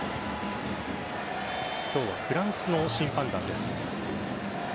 今日はフランスの審判団です。